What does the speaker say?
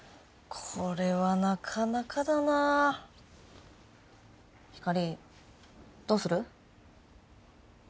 これはなかなかだなあひかりどうする？